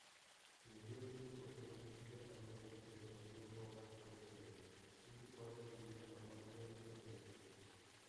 যদিও তিনি প্রথমে খ্রিস্টধর্মের বিষয়ে সন্দেহ প্রকাশ করেছিলেন কিন্তু পরে তিনি ধর্মান্তরিত হয়েছিলেন।